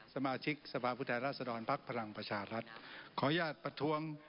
สมาชิกสภาพผู้แทนรัสดรพลังประชารัฐ